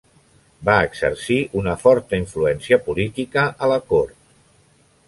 Va exercir una forta influència política a la cort.